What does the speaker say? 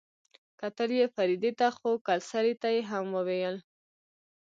کتل يې فريدې ته خو کلسري ته يې هم وويل.